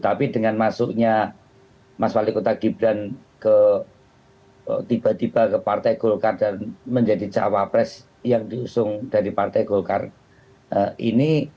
tapi dengan masuknya mas wali kota gibran tiba tiba ke partai golkar dan menjadi cawapres yang diusung dari partai golkar ini